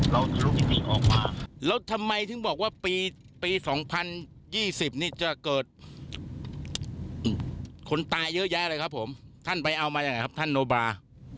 เราทะลุคนี้ออกมาแล้วทำไมถึงบอกว่าปี๒๐๒๐นี่จะเกิดคนตายเยอะแยะเลยครับผมท่านไปเอามายังไงครับท่านโนบา